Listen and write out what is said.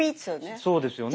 そうですよね。